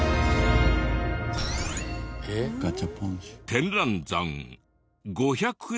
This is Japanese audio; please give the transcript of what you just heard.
天覧山５００円